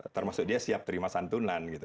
termasuk dia siap terima santunan gitu